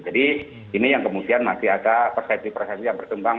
jadi ini yang kemudian masih ada persetri persetri yang bertumbang